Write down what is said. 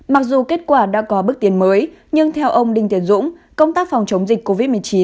mặc dù kết quả đã có bước tiến mới nhưng theo ông đinh tiến dũng công tác phòng chống dịch covid một mươi chín